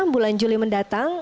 bulan juli mendatang